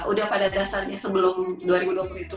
udah pada dasarnya sebelum dua ribu dua puluh itu